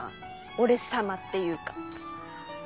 「オレ様」っていうか。